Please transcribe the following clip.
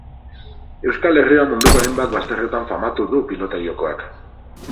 Euskal Herria munduko hainbat bazterretan famatu du pilota jokoak.